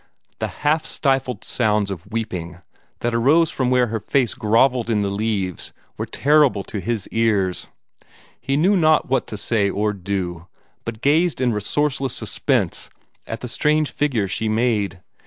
The half stifled sounds of weeping that arose from where her face grovelled in the leaves were terrible to his ears. He knew not what to say or do, but gazed in resourceless suspense at the strange figure she made.